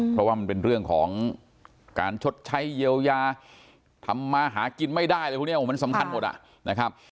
เพราะว่ามันเป็นเรื่องของการชดใช้เยียวยาทำมาหากินไม่ได้อะไรพวกนี้มันสำคัญหมดอ่ะนะครับ